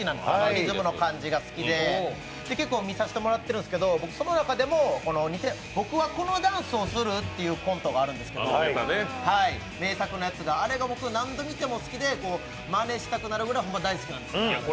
リズムの感じが好きで結構見させてもらってるんですけどその中でも「僕はこのダンスをする」というコントがあるんですけど、名作のやつがあれが僕、何度見ても好きで僕マネしたくなるぐらい大好きなんです。